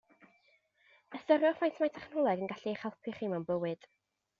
Ystyriwch faint mae technoleg yn gallu eich helpu chi mewn bywyd.